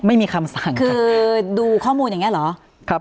ไม่มีคำสั่งคือดูข้อมูลอย่างนี้เหรอ